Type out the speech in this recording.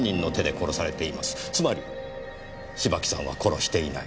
つまり芝木さんは殺していない。